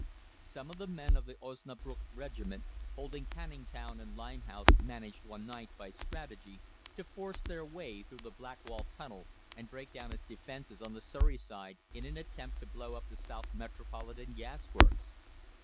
Some men of the Osnabrück Regiment, holding Canning Town and Limehouse, managed one night, by strategy, to force their way through the Blackwall Tunnel and break down its defences on the Surrey side in an attempt to blow up the South Metropolitan Gas Works.